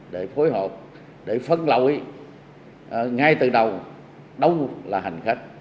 để phối hợp để phân lội ngay từ đầu đâu là hành khách